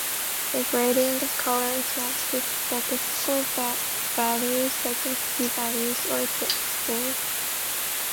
The gradient of color is mapped to statistical values, such as t-values or z-scores.